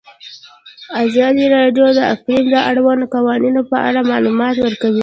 ازادي راډیو د اقلیم د اړونده قوانینو په اړه معلومات ورکړي.